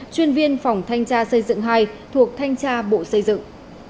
chuyên viên phòng thanh tra xây dựng hai thuộc thanh tra bộ xây dựng